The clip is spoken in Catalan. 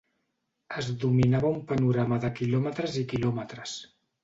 Es dominava un panorama de quilòmetres i quilòmetres